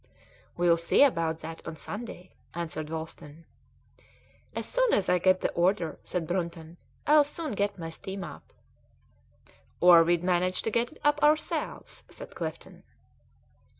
"We'll see about that on Sunday," answered Wolsten. "As soon as I get the order," said Brunton, "I'll soon get my steam up." "Or we'd manage to get it up ourselves," said Clifton.